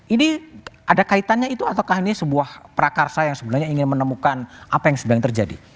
ini ada kaitannya itu ataukah ini sebuah prakarsa yang sebenarnya ingin menemukan apa yang sebenarnya terjadi